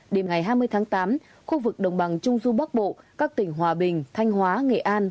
đêm ngày hai mươi tháng tám khu vực đồng bằng trung du bắc bộ các tỉnh hòa bình thanh hóa nghệ an